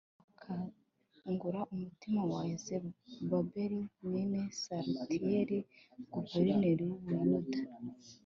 Yehova akangura umutimah wa zerubabeli mwene salatiyeli guverineri w u buyuda